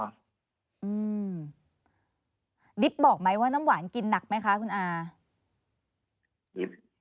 ดิบบอกไหมว่าน้ำหวานกินหนักไหมคะคุณอา